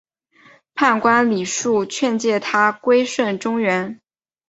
判官李恕劝谏他归顺中原。